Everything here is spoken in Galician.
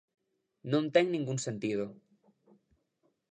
Non ten ningún sentido.